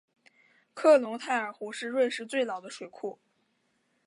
克隆泰尔湖是瑞士最老的水库。